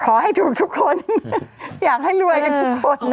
ขอให้ถูกทุกคนอยากให้รวยกันทุกคนนะ